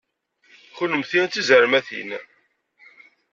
Kennemti d tizermatin!